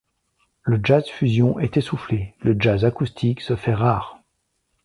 Le jazz fusion est essoufflé, le jazz acoustique se fait rare.